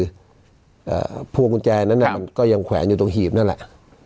อ่าพวงกุญแจนั้นน่ะมันก็ยังแขวนอยู่ตรงหีบนั่นแหละ